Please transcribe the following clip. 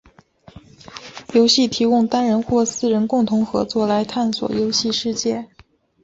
游戏提供单人或四人共同合作来探索游戏世界。